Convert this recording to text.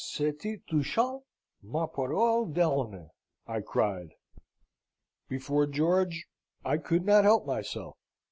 C'etait touchant, ma parole d'honneur! I cried. Before George, I could not help myself.